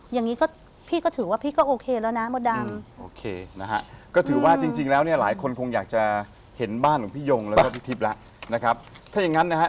อย่างนี้พี่ก็ถือว่าพี่ก็โอเคแล้วนะโมดัม